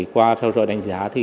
qua theo dõi đánh giá